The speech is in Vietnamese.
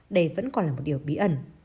đây vẫn còn là một điều bí ẩn